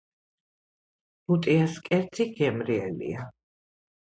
ბუტიას კერძი გემრიელია